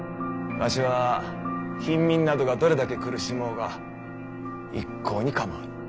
わしは貧民などがどれだけ苦しもうが一向に構わぬ。